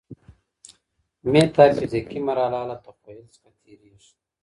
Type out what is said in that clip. ميتا فزيکي مرحله له تخيل څخه تيريږي.